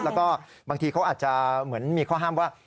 แล้วก็บางทีเขาอาจจะเหมือนมีข้อห้ามว่า